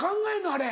あれ。